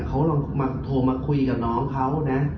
เขาลองมาโทรมาคุยกับน้องเขานะ